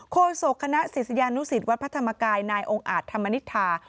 โศกคณะศิษยานุสิตวัดพระธรรมกายนายองค์อาจธรรมนิษฐา